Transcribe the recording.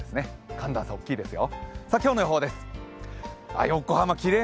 寒暖差大きいですよ。